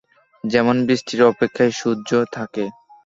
যেমন বৃষ্টির অপেক্ষায় সূর্য থাকে।